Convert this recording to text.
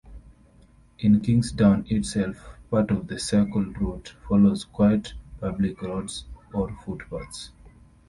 In Kingsdown itself, part of the cycle route follows quiet public roads or footpaths.